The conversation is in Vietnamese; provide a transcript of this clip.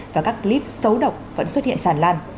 và các clip xấu độc vẫn xuất hiện tràn lan